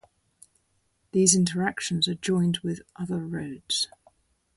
These interactions are joined with other roads.